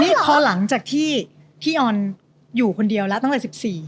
นี่พอหลังจากที่พี่ออนอยู่คนเดียวแล้วตั้งแต่๑๔